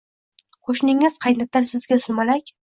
Qo’shningiz qaynatar sizga sumalak.